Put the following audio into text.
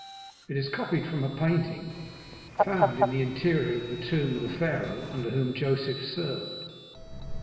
It is copied from a painting found in the interior of the tomb of the Pharaoh under whom Joseph served.